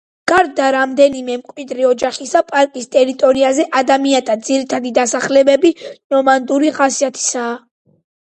გარდა რამდენიმე მკვიდრი ოჯახისა, პარკის ტერიტორიაზე ადამიანთა ძირითადი დასახლებები ნომადური ხასიათისაა.